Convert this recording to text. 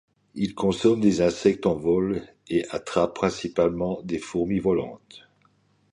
Il consomme des insectes en vol, et attrape principalement des fourmis volantes.